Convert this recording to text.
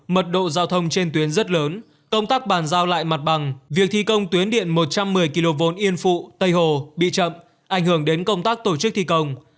mật độ giao thông trên tuyến rất lớn công tác bàn giao lại mặt bằng việc thi công tuyến điện một trăm một mươi kv yên phụ tây hồ bị chậm ảnh hưởng đến công tác tổ chức thi công